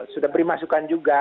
sudah beri masukan juga